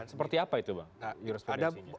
seperti apa itu bang jurusan